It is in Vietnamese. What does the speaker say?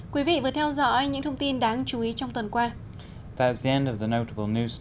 quý vị vừa theo dõi những thông tin đáng chú ý trong tuần qua